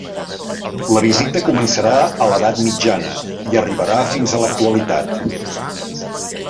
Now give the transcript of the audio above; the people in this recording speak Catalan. La visita començarà a l'Edat Mitjana i arribarà fins a l'actualitat.